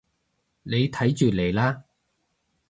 你睇住嚟啦